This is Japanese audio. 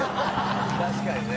確かにね。